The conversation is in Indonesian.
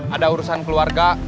ada urusan keluarga